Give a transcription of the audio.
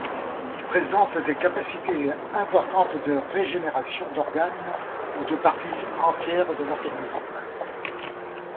Ils présentent des capacités importantes de régénération d'organes ou de parties entières de l'organisme.